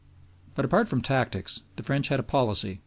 But, apart from tactics, the French had a policy.